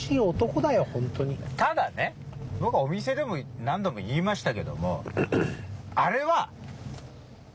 ただねボクはお店でも何度も言いましたけども。